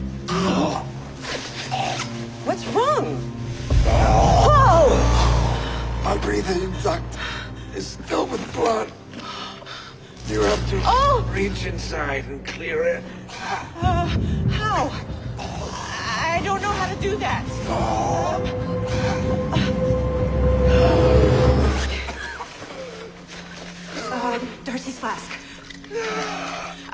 ああ！